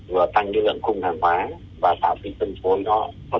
vừa tăng lượng khung hàng hóa và tạo phim phân phối nó tốt hơn